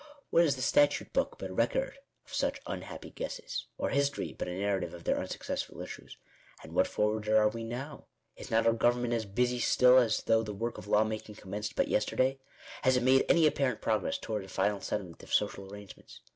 What is the statute book but a record of such unhappy guesses ? or history but a narrative of their unsuccessful issues ? And what forwarder are we now ? Digitized by VjOOQIC INTRODUCTION, 1 1 Is not our government as busy still as though the work of law making commenced but yesterday ? Has it made any appa rent progress toward a final settlement of social arrangements